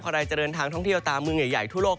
ใครจะเดินทางท่องเที่ยวตามเมืองใหญ่ทั่วโลก